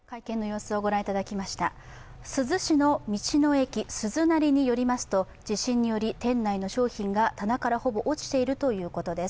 珠洲市の道の駅すずなりによりますと、地震により店内の商品が棚からほぼ落ちているという情報です。